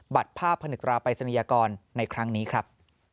ภาพผนึกราปรายศนียากรในครั้งนี้ครับ